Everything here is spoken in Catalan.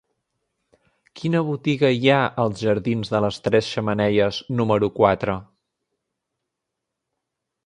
Quina botiga hi ha als jardins de les Tres Xemeneies número quatre?